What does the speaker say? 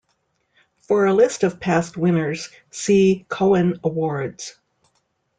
For a list of past winners, see Cohen Awards.